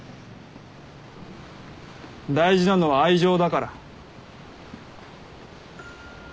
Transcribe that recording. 大事なのは愛情だから。